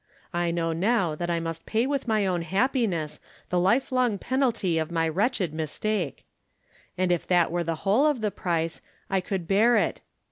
I know now that I must pay with va.j own happiness the life long penalty of my wretched mistake. And if that were the whole of the price I could bear it.